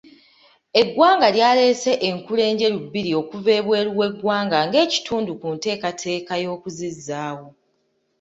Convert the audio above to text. Eggwanga lyaleese enkula enjeru bbiri okuva ebweru w'eggwanga ng'ekitundu ku nteekateeka y'okuzizzaawo.